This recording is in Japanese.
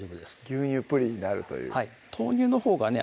牛乳プリンになるというはい豆乳のほうがね